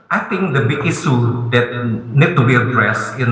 saya pikir isu besar yang perlu dihadapi